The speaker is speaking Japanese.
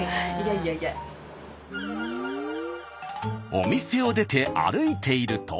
お店を出て歩いていると。